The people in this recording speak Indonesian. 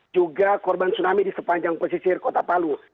juga korban tsunami di sepanjang pesisir kota palu